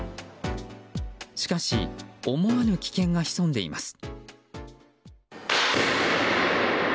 しかし思わぬ危険が潜んでいます。